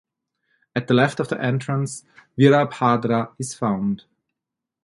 At the left of the entrance Virabhadra is found.